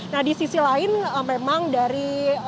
nah di sisi lain memang dari